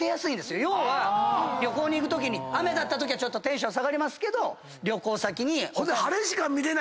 旅行に行くときに雨だったときはちょっとテンション下がりますけど旅行先に。